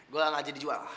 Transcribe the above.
gua gak jadi jual